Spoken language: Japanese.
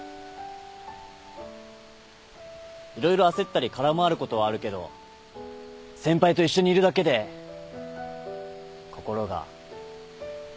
色々焦ったり空回ることはあるけど先輩と一緒にいるだけで心が満たされてるっていうか。